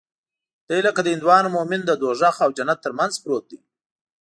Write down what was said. دى لکه د هندوانو مومن د دوږخ او جنت تر منځ پروت دى.